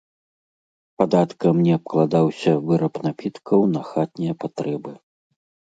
Падаткам не абкладаўся выраб напіткаў на хатнія патрэбы.